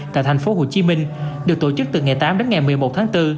tại thành phố hồ chí minh được tổ chức từ ngày tám đến ngày một mươi một tháng bốn